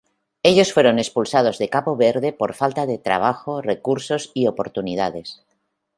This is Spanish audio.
Ellos fueron expulsados de Cabo Verde por falta de trabajo, recursos y oportunidades.